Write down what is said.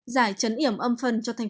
giải chấn yểm âm phần cho tp hcm